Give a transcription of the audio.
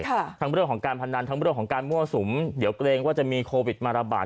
ทั้งเรื่องของการพนันทั้งเรื่องของการมั่วสุมเดี๋ยวเกรงว่าจะมีโควิดมาระบาด